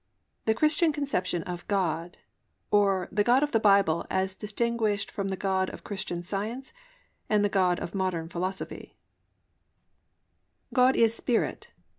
II THE CHRISTIAN CONCEPTION OF GOD, OR THE GOD OF THE BIBLE AS DISTINGUISHED FROM THE GOD OF CHRISTIAN SCIENCE AND THE GOD OF MODERN PHILOSOPHY "God is Spirit."